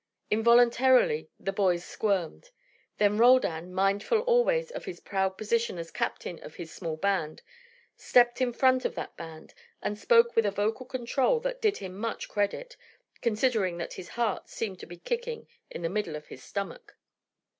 Involuntarily the boys squirmed. Then Roldan, mindful always of his proud position as captain of his small band, stepped in front of that band and spoke with a vocal control that did him much credit, considering that his heart seemed to be kicking in the middle of his stomach.